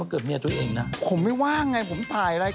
กระเทยเก่งกว่าเออแสดงความเป็นเจ้าข้าว